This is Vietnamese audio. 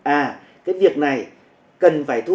à cái việc này cần phải thu